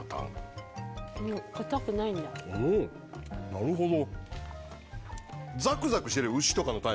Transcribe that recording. なるほど。